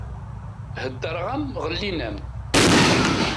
Heddeṛeɣ-am ɣellin-am!